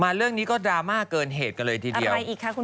เรื่องนี้ก็ดราม่าเกินเหตุกันเลยทีเดียวยังไงอีกคะคุณ